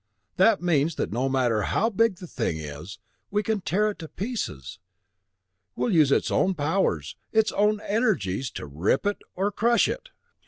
That means that no matter how big the thing is, we can tear it to pieces; we'll use its own powers, its own energies, to rip it, or crush it.